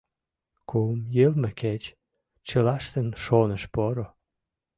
Кум йылме кеч, чылаштын шоныш поро.